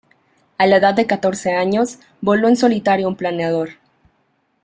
A la edad de catorce años, voló en solitario un planeador.